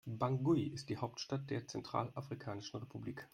Bangui ist die Hauptstadt der Zentralafrikanischen Republik.